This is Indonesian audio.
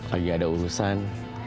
lagi ada urusan